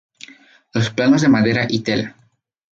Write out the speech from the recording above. Los planos de madera y tela.